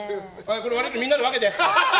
悪いけど、これみんなで分けて。